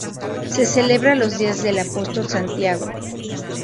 Se celebran los días del apóstol Santiago.